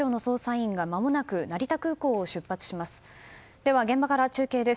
では、現場から中継です。